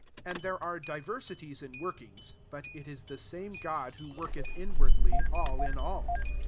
6 And there are diversities in workings ; but ii^u the same God who work ed inwardly all in all.